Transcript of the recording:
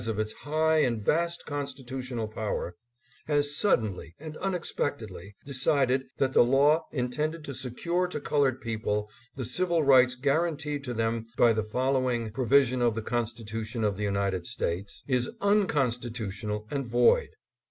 657 of its high and vast constitutional power, has suddenly and unexpectedly decided that the law intended to secure to colored people the civil rights guaranteed to them by the following provision of the Constitution of the United States, is unconstitional and void.